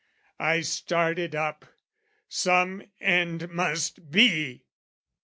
I started up "Some end must be!"